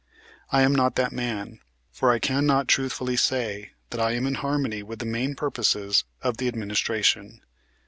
I am not that man; for I cannot truthfully say that I am in harmony with the main purposes of the administration."